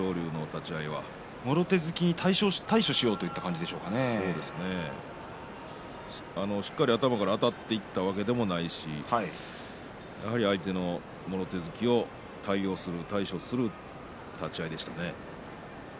もろ手突きに対処しようとしっかり頭からいったわけでもないしやはり相手のもろ手突きを対応したり対処する立ち合いでしたね。